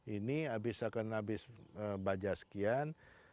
ini abis abis baja sekian